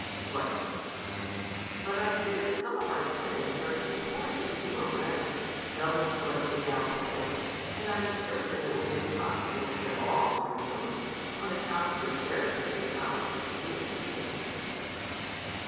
Wife, Bat I fear that some of our tenants are too poor to endure a rent, double to what they now pay ; and I am certain it will be impossible for them all to remove, on account of the scarcity of houses to be ob tained.